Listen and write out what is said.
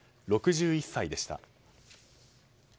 ６１歳でした。